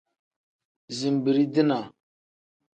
Zinbirii-dinaa.